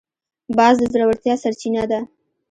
باز د زړورتیا سرچینه ده